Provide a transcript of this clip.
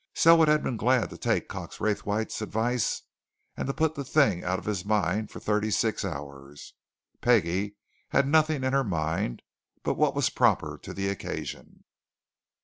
Selwood had been glad to take Cox Raythwaite's advice and to put the thing out of his mind for thirty six hours: Peggie had nothing in her mind but what was proper to the occasion.